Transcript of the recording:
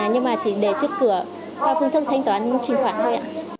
nhưng mà chỉ để trước cửa qua phương thức thanh toán truyền khoản thôi ạ